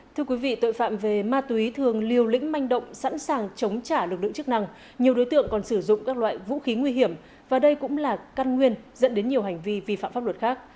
thưa quý vị tội phạm về ma túy thường liều lĩnh manh động sẵn sàng chống trả lực lượng chức năng nhiều đối tượng còn sử dụng các loại vũ khí nguy hiểm và đây cũng là căn nguyên dẫn đến nhiều hành vi vi phạm pháp luật khác